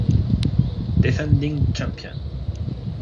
Defending champion.